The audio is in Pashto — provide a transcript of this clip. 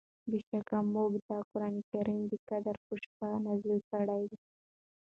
بېشکه مونږ دا قرآن د قدر په شپه نازل کړی دی